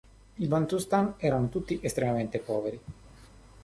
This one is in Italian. I bantustan erano tutti estremamente poveri.